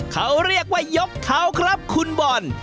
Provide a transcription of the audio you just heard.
เขาเรียกว่ายกเขาครับคุณบอล